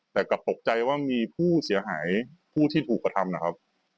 แต่กลับตกใจว่ามีผู้เสียหายผู้ที่ถูกกระทำนะครับ